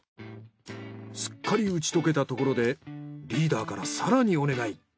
すっかり打ち解けたところでリーダーから更にお願い。